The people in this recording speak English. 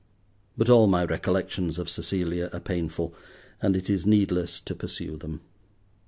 But all my recollections of Cecilia are painful, and it is needless to pursue them.